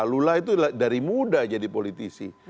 lula itu dari muda jadi politisi